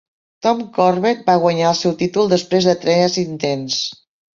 Tom Corbett va guanyar el seu títol després de tres intents.